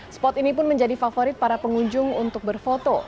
spot ini pun menjadi favorit para pengunjung untuk berfoto